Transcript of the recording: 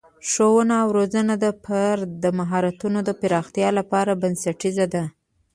ښوونه او روزنه د فرد د مهارتونو پراختیا لپاره بنسټیزه ده.